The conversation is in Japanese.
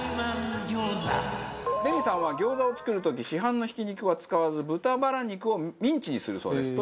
レミさんは餃子を作る時市販のひき肉は使わず豚バラ肉をミンチにするそうです。